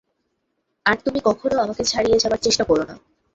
আর তুমি কখনো আমাকে ছাড়িয়ে যাবার চেষ্টা করো না।